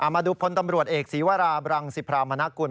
มาดูพลตำรวจเอกศีวราบรังสิพรามณกุล